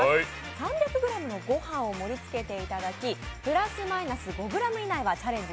３００ｇのごはんを盛りつけていただき、プラス・マイナス５ｇ以内はチャレンジ